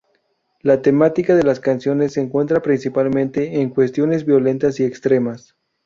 La temática de las canciones se centra principalmente en cuestiones violentas y extremas.